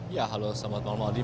ya halo selamat malam aldi